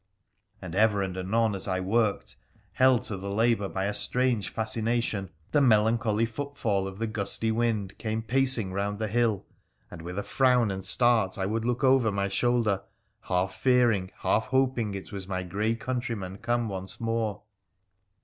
And ever and anon as I worked, held to the labour by a strange fascination, the melancholy footfall of the gusty wind came pacing round the hill, and with a frown and start I would look over my shoulder, half fearing, half hoping it was my grey countryman come once more.